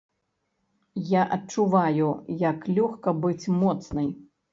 Я адчуваю, як лёгка быць моцнай.